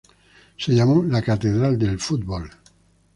Se llamó ""la catedral del fútbol"".